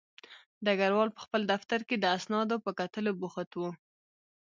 ډګروال په خپل دفتر کې د اسنادو په کتلو بوخت و